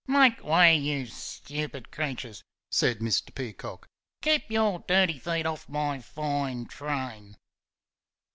"Make way, you stupid creatures!" said Mr. Peacock. "Keep your dirty feet off my fine train!"